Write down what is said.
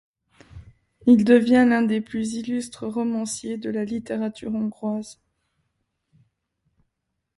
Il devient l'un des plus illustres romanciers de la littérature hongroise.